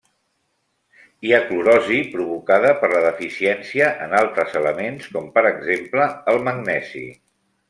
Hi ha clorosi provocada per la deficiència en altres elements com per exemple el magnesi.